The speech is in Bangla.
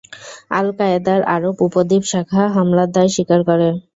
আল কায়েদার আরব উপদ্বীপ শাখা হামলার দায় স্বীকার করে।